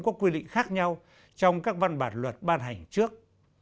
các nội dung có quy định khác nhau trong các văn bản luật ban hành trước